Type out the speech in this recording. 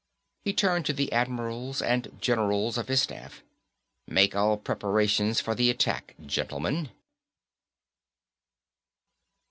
He turned to the admirals and generals of his staff. "Make all preparations for the attack, gentlemen."